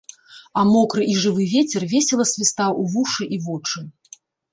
А мокры і жывы вецер весела свістаў у вушы і вочы.